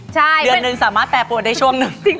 เดือนนึงสามารถแปรปรวนได้ช่วงนึง